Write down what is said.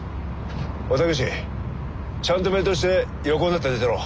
おい武志ちゃんとベルトして横になって寝てろ。